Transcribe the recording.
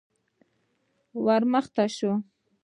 _ور مخته شه.